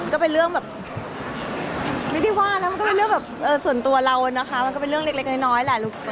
ก็เป็นเรื่องแบบไม่ได้ว่านะมันก็เป็นเรื่องแบบส่วนตัวเรานะคะมันก็เป็นเรื่องเล็กน้อยแหละลูก